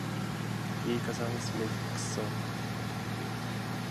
Ей казалось лет сорок.